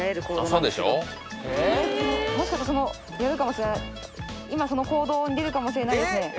もしかしたらやるかもしれない今行動に出るかもしれないです。